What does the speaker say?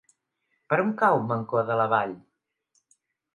Per on cau Mancor de la Vall?